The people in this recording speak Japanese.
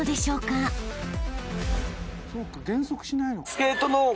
スケートの。